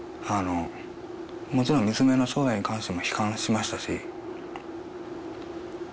もちろん娘の将来に関しても悲観しましたし。